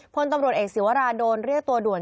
พลตำรวจเอกศิวราโดนเรียกตัวด่วน